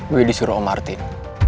wih disuruh om martin